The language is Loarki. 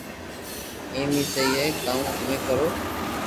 ايم اي سھي ھي ڪاو ھمي ڪرو